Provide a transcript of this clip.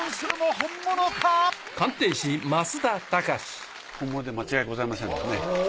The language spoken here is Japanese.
本物で間違いございませんですね。